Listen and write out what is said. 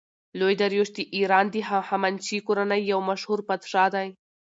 لوی داریوش د ایران د هخامنشي کورنۍ یو مشهور پادشاه دﺉ.